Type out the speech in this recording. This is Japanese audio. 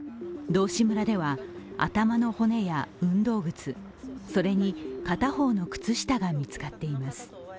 道志村では頭の骨や運動靴、それに片方の靴下が見つかっています。